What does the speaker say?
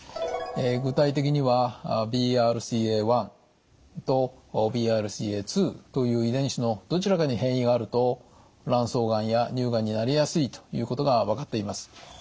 具体的にはＢＲＣＡ１とＢＲＣＡ２という遺伝子のどちらかに変異があると卵巣がんや乳がんになりやすいということが分かっています。